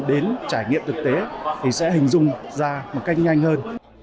đến trải nghiệm thực tế thì sẽ hình dung ra một cách nhanh hơn